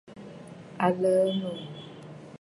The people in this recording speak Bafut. A lə̀ə̀ noò.